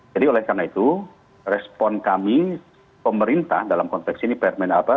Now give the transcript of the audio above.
jadi oleh karena itu respon kami pemerintah dalam konteks ini permanent apa